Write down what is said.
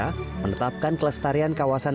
akan tetapi angka ideal tersebut sepertinya sulit tercapai